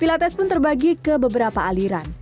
pilates pun terbagi ke beberapa aliran